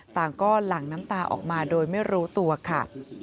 ต่างก็หลั่งน้ำตาออกมาโดยไม่รู้ตัวค่ะ